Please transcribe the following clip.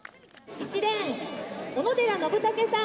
「１レーン小野寺のぶたけさん」。